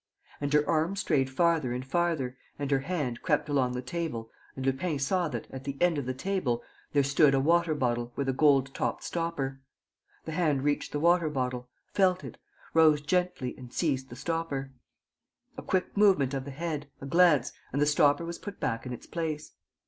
And her arm strayed farther and farther and her hand crept along the table and Lupin saw that, at the end of the table, there stood a water bottle with a gold topped stopper. The hand reached the water bottle, felt it, rose gently and seized the stopper. A quick movement of the head, a glance, and the stopper was put back in its place.